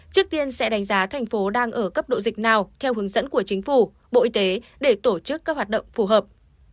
trước tiên sẽ đánh giá thành phố đang ở cấp độ dịch nào theo hướng dẫn của chính phủ bộ y tế để tổ chức các hoạt động phù hợp